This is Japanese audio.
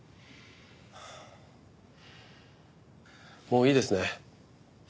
もういいですね？